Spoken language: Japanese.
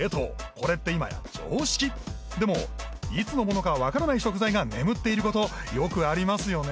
これって今や常識でもいつのものか分からない食材が眠っていることよくありますよね